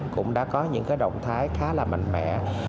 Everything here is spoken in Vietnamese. cũng đã có những cái động thái khá là mạnh mẽ